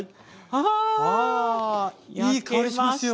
ああいい香りしますよ。